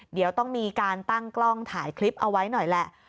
เดี๋ยวต้องมีการตั้งกล้องถ่ายคลิปเอาไว้หน่อยแหละ